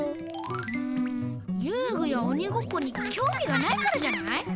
うんゆうぐやおにごっこにきょうみがないからじゃない？